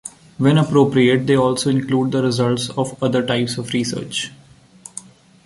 When appropriate, they also include the results of other types of research.